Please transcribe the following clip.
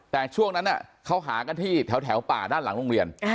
แต่ช่วงนั้นเขาหากันที่แถวป่าด้านหลังโรงเรียน